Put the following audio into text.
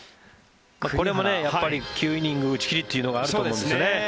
これも９イニング打ち切りというのがあると思うんですよね。